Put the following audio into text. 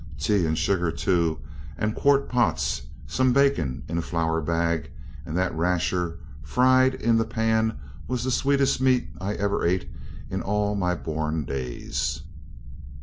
Tea and sugar too, and quart pots, some bacon in a flour bag; and that rasher fried in the pan was the sweetest meat I ever ate in all my born days.